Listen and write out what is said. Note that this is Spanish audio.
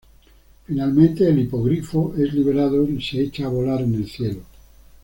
Finalmente, el hipogrifo es liberado y se echa a volar en el cielo.